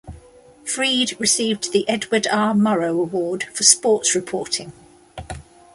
Frede received the Edward R. Murrow Award for Sports Reporting.